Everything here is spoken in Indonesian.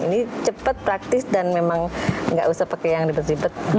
ini cepat praktis dan memang nggak usah pakai yang ribet ribet